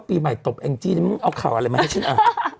ปีใหม่ตบแองจี้นี่มึงเอาข่าวอะไรมาให้ฉันอ่าน